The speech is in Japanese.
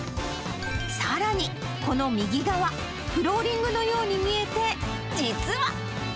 さらに、この右側、フローリングのように見えて、実は。